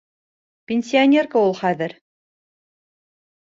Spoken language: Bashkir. Пенсионерка ул хәҙер.